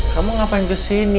kamu ngapain kesini